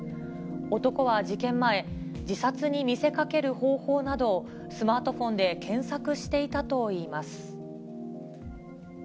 男は事件前、自殺に見せかける方法などを、スマートフォンで検索していたといいます。